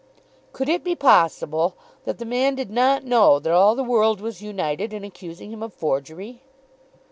Could it be possible that the man did not know that all the world was united in accusing him of forgery?